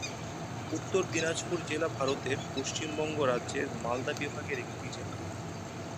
উত্তর দিনাজপুর জেলা ভারতের পশ্চিমবঙ্গ রাজ্যের মালদা বিভাগের একটি জেলা।